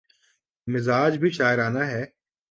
مزاج بھی شاعرانہ ہے۔